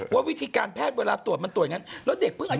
ว่าวิธีการแพทย์เวลาตรวจมันตรวจอย่างนั้นแล้วเด็กเพิ่งอายุ